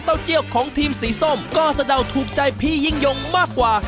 เจี้ยวของทีมสีส้มก็สะเดาถูกใจพี่ยิ่งยงมากกว่า